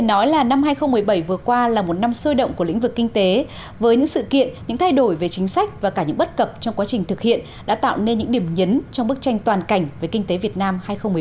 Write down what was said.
năm vừa qua là một năm sôi động của lĩnh vực kinh tế với những sự kiện những thay đổi về chính sách và cả những bất cập trong quá trình thực hiện đã tạo nên những điểm nhấn trong bức tranh toàn cảnh về kinh tế việt nam hai nghìn một mươi bảy